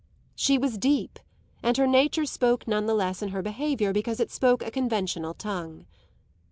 She was deep, and her nature spoke none the less in her behaviour because it spoke a conventional tongue.